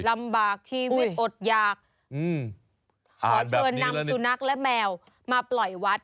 ลำบากชีวิตอดยากอืมอาหารแบบนี้ขอเชิญนำสุนักและแมวมาปล่อยวัด